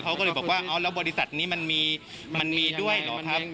เขาก็เลยบอกว่าอ๋อแล้วบริษัทนี้มันมีด้วยเหรอครับ